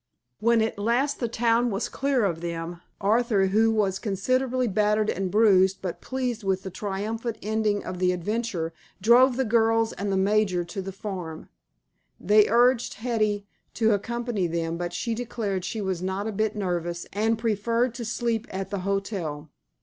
When at last the town was clear of them, Arthur, who was considerably battered and bruised but pleased with the triumphant ending of the adventure, drove the girls and the major to the farm. They urged Hetty to accompany them, but she declared she was not a bit nervous and preferred to sleep at the hotel.